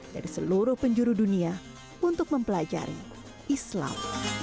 dari seluruh penjuru dunia untuk mempelajari islam